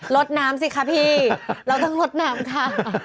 ลดน้ำสิคะพี่เราต้องลดน้ำค่ะ